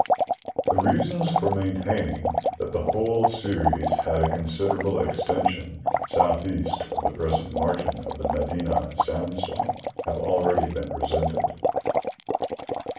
The reasons for maintaining that the whole series had a considerable extension southeast of the present margin of the Medina sandstone have already been presented.